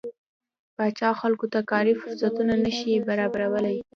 پاچا خلکو ته کاري فرصتونه نشي برابرولى.